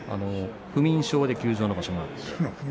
不眠症で休場の場所です。